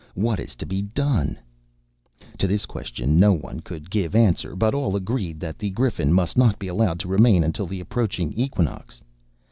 What is to be done?" To this question no one could give an answer, but all agreed that the Griffin must not be allowed to remain until the approaching equinox.